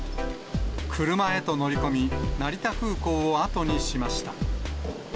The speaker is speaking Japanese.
車へと乗り込み、成田空港を後にしました。